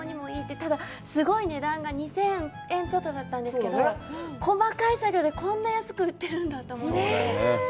ただ、値段が２０００円ちょっとだったんですけど、細かい作業でこんな安く売ってるんだと思って。